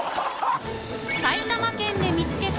埼玉県で見つけた